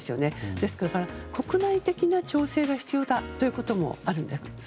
ですから、国内的な調整が必要だということもあるみたいです